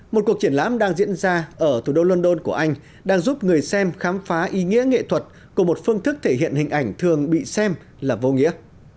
một cuộc triển lãm đang diễn ra ở thủ đô london của anh đang giúp người xem khám phá ý nghĩa nghệ thuật của một phương thức thể hiện hình ảnh thường bị xem là vô nghĩa